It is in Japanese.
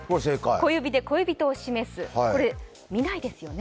小指で恋人を示すこれ、見ないですよね。